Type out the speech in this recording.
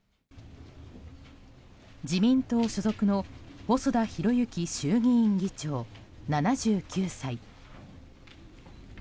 自民党所属の細田博之衆議院議長、７９歳。